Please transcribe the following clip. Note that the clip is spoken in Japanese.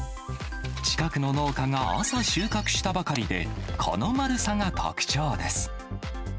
近くの農家が朝収穫したばかりで、この丸さが特徴です。